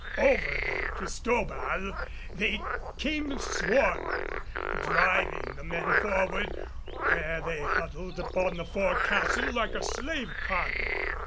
Over the Cristobal they came swarming, driving the men forward where they huddled upon the fore castle like a slave cargo.